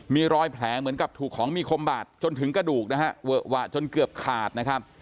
มีรอยแผลเหมือนกับถูกของมีคมบาดจนถึงกระดูกนะฮะเวอะหวะจนเกือบขาดนะครับ